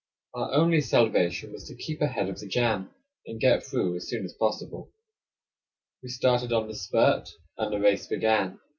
Our only salvation was to keep ahead of the jam, and get through as soon as possible. We started on the spurt; and the race began.